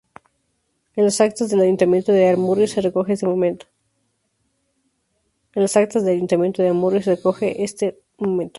En las actas del Ayuntamiento de Amurrio se recoge este momento.